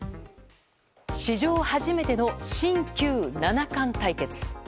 史上初めての新旧七冠対決。